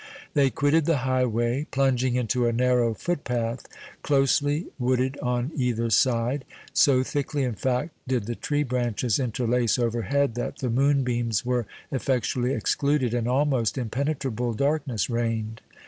They quitted the highway, plunging into a narrow footpath closely wooded on either side; so thickly, in fact, did the tree branches interlace overhead that the moonbeams were effectually excluded and almost impenetrable darkness reigned.